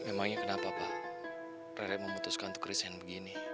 memangnya kenapa pak rere memutuskan untuk risihkan begini